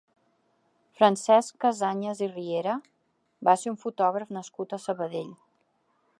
Francesc Casañas i Riera va ser un fotògraf nascut a Sabadell.